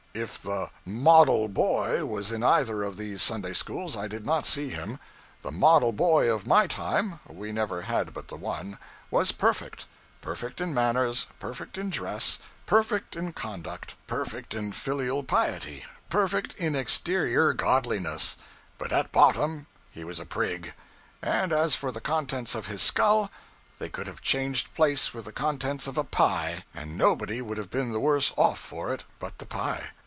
If the Model Boy was in either of these Sunday schools, I did not see him. The Model Boy of my time we never had but the one was perfect: perfect in manners, perfect in dress, perfect in conduct, perfect in filial piety, perfect in exterior godliness; but at bottom he was a prig; and as for the contents of his skull, they could have changed place with the contents of a pie and nobody would have been the worse off for it but the pie.